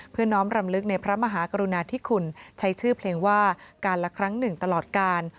น้อมรำลึกในพระมหากรุณาธิคุณใช้ชื่อเพลงว่าการละครั้งหนึ่งตลอดกาล